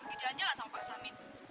pergi jalan jalan sama pak samin